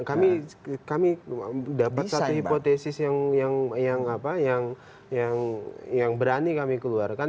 kami dapat satu hipotesis yang berani kami keluarkan